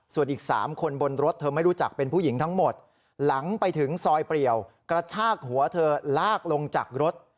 ส่วนอีก๓คนบนรถเธอไม่รู้จักเป็นผู้หญิงทั้งหมดหลังไปถึงซอยเปรียวกระชากหัวเธอลากลงจากรถ